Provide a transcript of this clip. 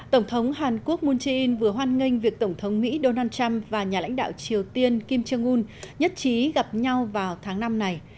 tổng thống hàn quốc moon jae in vừa hoan nghênh việc tổng thống mỹ donald trump và nhà lãnh đạo triều tiên kim jong un nhất trí gặp nhau vào tháng năm này